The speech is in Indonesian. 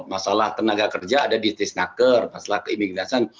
masalah tenaga kerja ada di t snacker masalah keimigrasan